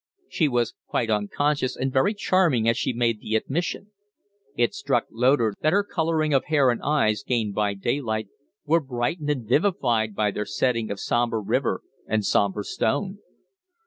She was quite unconscious and very charming as she made the admission. It struck Loder that her coloring of hair and eyes gained by daylight were brightened and vivified by their setting of sombre river and sombre stone.